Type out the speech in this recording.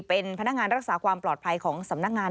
เป็นพนักงานรักษาความปลอดภัยของสำนักงาน